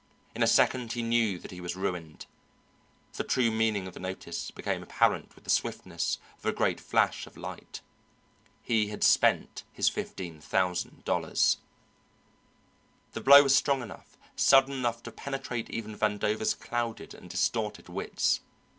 In a second he knew that he was ruined. The true meaning of the notice became apparent with the swiftness of a great flash of light. He had spent his fifteen thousand dollars! The blow was strong enough, sudden enough to penetrate even Vandover's clouded and distorted wits.